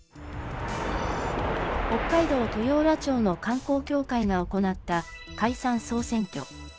北海道豊浦町の観光協会が行った、海産総選挙。